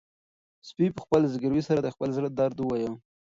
سپي په خپل زګیروي سره د خپل زړه درد ووايه.